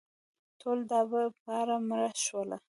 ټول دابد دپاره مړه شوله